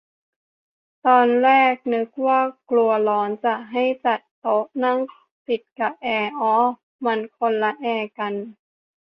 ตอนแรกก็นึกว่ากลัวร้อน จะให้จัดโต๊ะนั่งติดกะแอร์ อ้อ มันคนละแอร์กัน